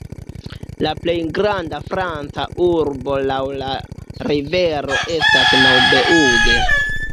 La plej granda franca urbo laŭ la rivero estas Maubeuge.